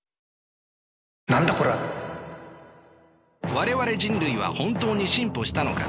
我々人類は本当に進歩したのか。